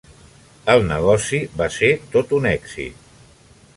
El negoci va ser tot un èxit.